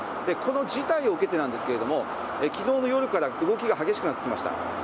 この事態を受けてなんですけれども、きのうの夜から動きが激しくなってきました。